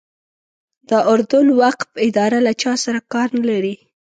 د اردن وقف اداره له چا سره کار نه لري.